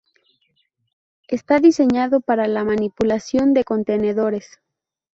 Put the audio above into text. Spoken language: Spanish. Está diseñado para la manipulación de contenedores.